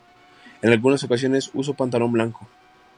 En algunas ocasiones usó pantalón blanco.